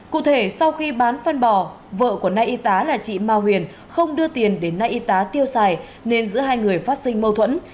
cụ thể sau khi bán phân bò vợ của nay y tá là chị ma huyền không đưa tiền đến nay y tá tiêu xài nên giữa hai người phát sinh mâu thuẫn